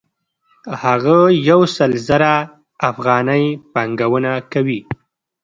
هغه یو سل زره افغانۍ پانګونه کوي